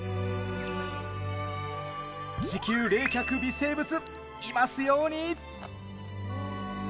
地球冷却微生物、いますように。